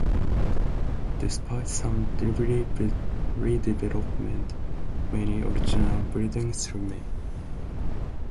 Despite some redevelopment, many original buildings remain.